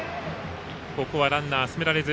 ここはランナー進められず。